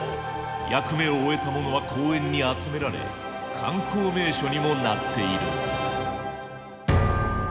役目を終えたものは公園に集められ観光名所にもなっている。